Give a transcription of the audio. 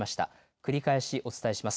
繰り返しお伝えします。